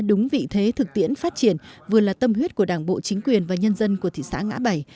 đúng vị thế thực tiễn phát triển vừa là tâm huyết của đảng bộ chính quyền và nhân dân của thị xã ngã bảy